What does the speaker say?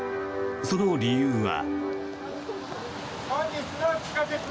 その理由は。